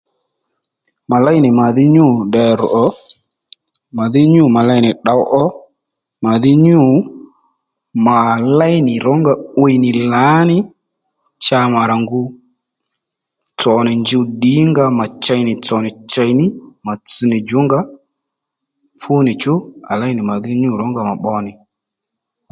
Mà léy nì màdhí nyû ddèrr ò màdhí nyû mà leynì tdǒw ó nyû mà léy nì rǒnga 'wiy nì lǎní cha mà rà ngu tsònì njuw ddǐyngǎ mà chey nì tsònì chèy ní mà tss nì djǔ nga fúnìchú à léy nì màdhí nyû rónga mà pbo nì